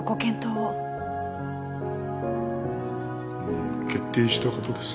もう決定したことです。